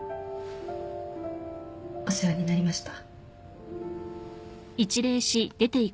お世話になりました。